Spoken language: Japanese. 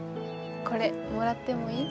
これもらってもいい？